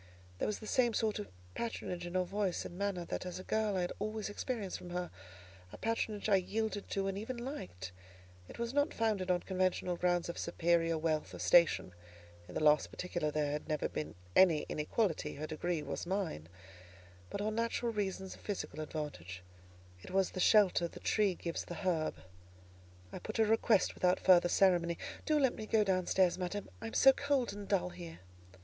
There was the same sort of patronage in her voice and manner that, as a girl, I had always experienced from her—a patronage I yielded to and even liked; it was not founded on conventional grounds of superior wealth or station (in the last particular there had never been any inequality; her degree was mine); but on natural reasons of physical advantage: it was the shelter the tree gives the herb. I put a request without further ceremony. "Do let me go down stairs, madam; I am so cold and dull here."